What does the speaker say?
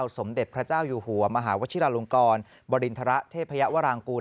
สมเด็จพระเจ้าอยู่หัวมหาวชิลาลงกรบริณฑระเทพยวรางกูล